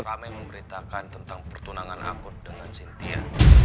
ramai memberitakan tentang pertunangan aku dengan sintia